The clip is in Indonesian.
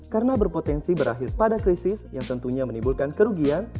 karena berpotensi berakhir pada krisis yang tentunya menimbulkan kerugian